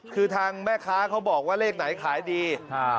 คือทางแม่ค้าเขาบอกว่าเลขไหนขายดี